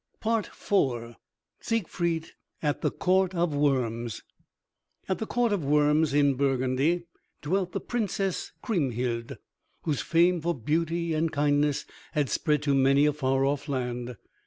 IV SIEGFRIED AT THE COURT OF WORMS At the Court of Worms in Burgundy dwelt the Princess Kriemhild, whose fame for beauty and kindness had spread to many a far off land.